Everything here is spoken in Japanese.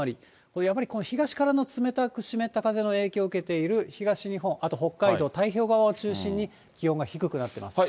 これ、やっぱり東からの冷たく湿った風の影響を受けている東日本、あと北海道、太平洋側を中心に気温が低くなってます。